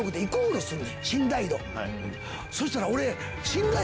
そしたら俺。